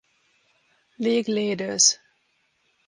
League leaders